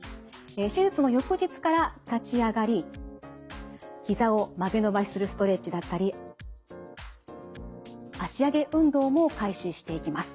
手術の翌日から立ち上がりひざを曲げ伸ばしするストレッチだったり脚上げ運動も開始していきます。